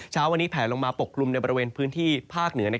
เช้าวันนี้แผลลงมาปกกลุ่มในบริเวณพื้นที่ภาคเหนือ